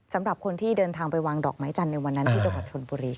สำหรับคนที่เดินทางไปวางดอกไม้จันทร์ในวันนั้นที่จังหวัดชนบุรีค่ะ